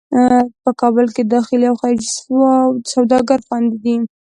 په کابل کې داخلي او خارجي سوداګر خوندي دي.